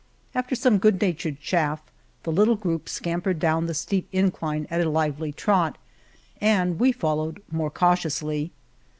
After some good nat ured chaff the little group scampered down the steep incline at a lively trot, and we followed more cautiously.